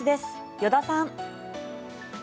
依田さん。